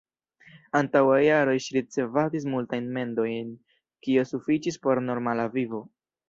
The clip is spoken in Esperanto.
Antaŭ jaroj ŝi ricevadis multajn mendojn, kio sufiĉis por normala vivo.